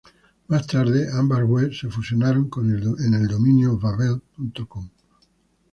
Más tarde ambas webs se fusionaron en el dominio vavel.com.